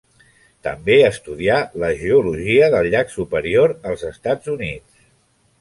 També estudià la geologia del Llac Superior als Estats Units.